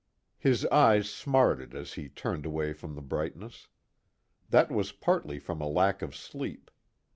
His eyes smarted as he turned away from the brightness. That was partly from a lack of sleep.